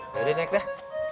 ya udah naik dah